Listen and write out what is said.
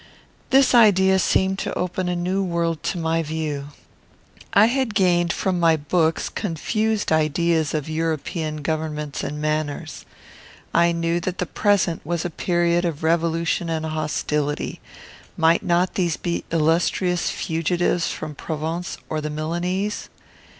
This idea seemed to open a new world to my view. I had gained, from my books, confused ideas of European governments and manners. I knew that the present was a period of revolution and hostility. Might not these be illustrious fugitives from Provence or the Milanese?